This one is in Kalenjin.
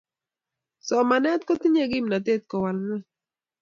somanet kotinyei kimnatet kowal ngueny